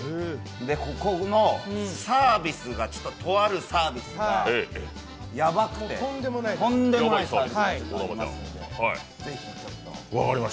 ここのサービスが、ちょっととあるサービスがヤバくてとんでもないサービスがありますのでぜひちょっと。